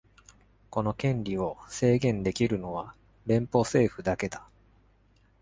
この権利を制限できるのは連邦政府だけだ。